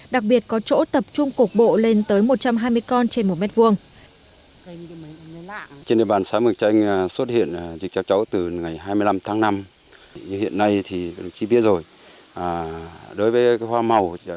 đặc biệt có chỗ tập trung cục bộ lên tới một trăm hai mươi con trên một m hai